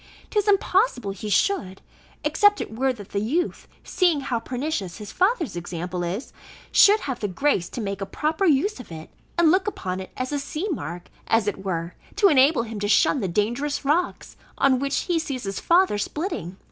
'Tis impossible he should, except it were that the youth, seeing how pernicious his father's example is, should have the grace to make a proper use of it, and look upon it as a sea mark, as it were, to enable him to shun the dangerous rocks, on which he sees his father splitting.